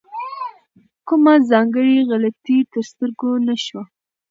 کومه ځانګړې غلطي تر سترګو نه شوه.